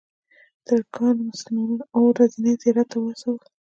ترکانو مسلمانان اوو ورځني زیارت ته وهڅول.